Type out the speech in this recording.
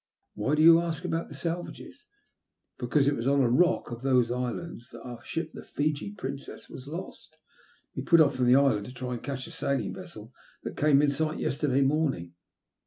•* Why do you ask about the Salvages ?"" Because it was on a rock off those islands that our ship, the Fiji Princess^ was lost. We put off from the island to try and catch a sailing vessel that came in sight yesterday morning.